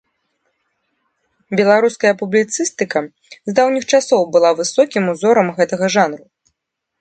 Беларуская публіцыстыка і з даўніх часоў была высокім узорам гэтага жанру.